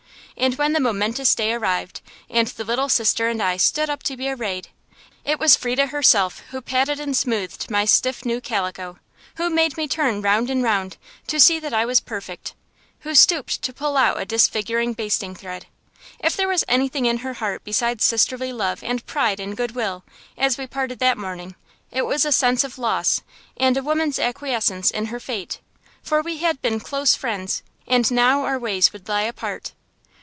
And when the momentous day arrived, and the little sister and I stood up to be arrayed, it was Frieda herself who patted and smoothed my stiff new calico; who made me turn round and round, to see that I was perfect; who stooped to pull out a disfiguring basting thread. If there was anything in her heart besides sisterly love and pride and good will, as we parted that morning, it was a sense of loss and a woman's acquiescence in her fate; for we had been close friends, and now our ways would lie apart.